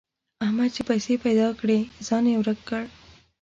احمد چې پیسې پيدا کړې؛ ځان يې ورک کړ.